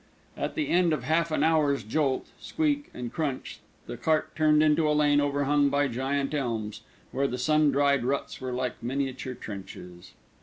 At the end of half an hour's jolt, squeak, and crunch, the cart turned into a lane overhung by giant elms, where the sun dried ruts were like miniature trenches.